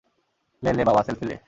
লে লে বাবা, সেলফি লে!